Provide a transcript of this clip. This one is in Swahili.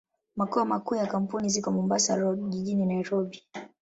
Makao makuu ya kampuni ziko Mombasa Road, jijini Nairobi.